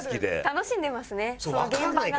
楽しんでますね。